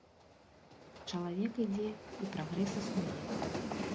Чалавек ідзе, і прагрэс існуе.